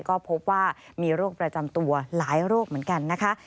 ก็พบว่ามีโรคประจำตัวหลายโรคเหมือนกันนะคะ